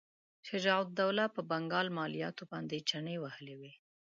شجاع الدوله په بنګال مالیاتو باندې چنې وهلې وې.